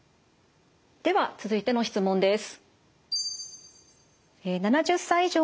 では続いての質問です。